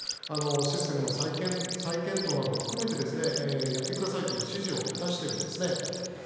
システムの再検討などを含めてやってくださいという指示を出しているんですね。